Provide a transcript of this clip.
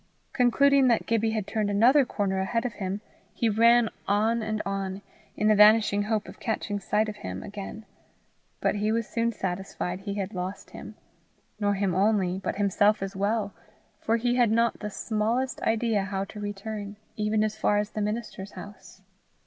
Concluding that Gibbie had turned another corner ahead of him, he ran on and on, in the vanishing hope of catching sight of him again; but he was soon satisfied he had lost him, nor him only, but himself as well, for he had not the smallest idea how to return, even as far as the minister's house.